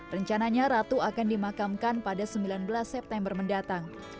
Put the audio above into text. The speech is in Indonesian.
rencananya ratu akan dimakamkan pada sembilan belas september mendatang